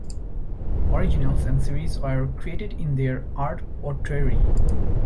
Originals and series were created in their art pottery.